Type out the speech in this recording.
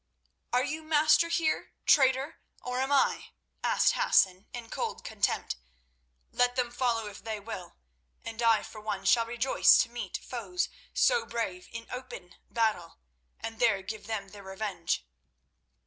"Are you master here, traitor, or am I?" asked Hassan in cold contempt. "Let them follow if they will, and I for one shall rejoice to meet foes so brave in open battle, and there give them their revenge.